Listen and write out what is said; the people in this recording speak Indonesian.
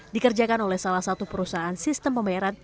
dikerjakan oleh salah satu perusahaan sistem pembayaran